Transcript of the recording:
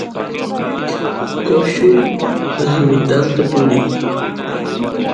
coshul allimitanta purin